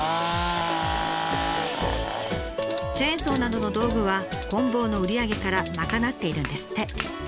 チェーンソーなどの道具はこん棒の売り上げから賄っているんですって。